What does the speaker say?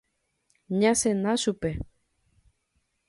Ñasẽna chupe.